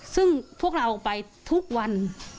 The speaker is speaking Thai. ซึ่งพวกเราไปทุกวัน